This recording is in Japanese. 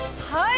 ◆はい。